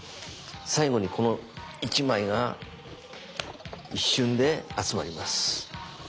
最後にこの１枚が一瞬で集まります。